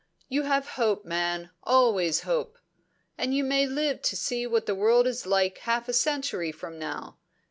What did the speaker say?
You have hope, man, always hope. And you may live to see what the world is like half a century from now.